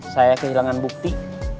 saya kehilangan bukti